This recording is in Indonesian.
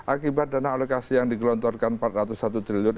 akibat dana alokasi yang digelontorkan rp empat ratus satu triliun